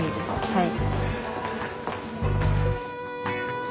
はい。